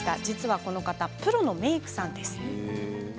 この方、実はプロのメイクさんです。